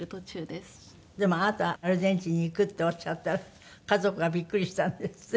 でもあなたアルゼンチンに行くっておっしゃったら家族がびっくりしたんですって？